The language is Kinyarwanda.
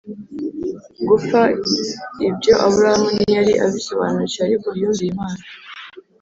gupfa Ibyo Aburahamu ntiyari abisobanukiwe ariko yumviye Imana